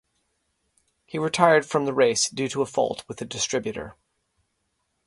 He retired from the race due to a fault with the distributor.